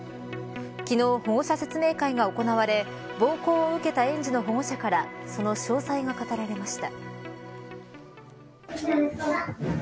昨日、保護者説明会が行われ暴行を受けた園児の保護者からその詳細が語られました。